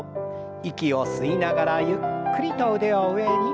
息を吸いながらゆっくりと腕を上に。